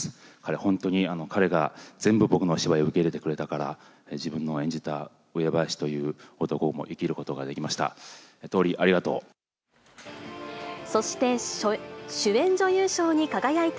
本当に彼が全部、僕のお芝居を受け入れてくれたから、自分の演じた上林という男も生きることができました。